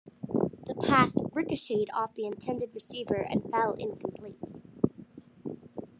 The pass ricocheted off the intended receiver and fell incomplete.